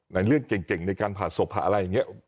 อะไรเรื่องเก่งในการผ่าศพผ่าอะไรอย่างเงี้ย